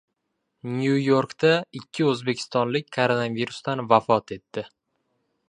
Nyu-Yorkda ikki o‘zbekistonlik koronavirusdan vafot etdi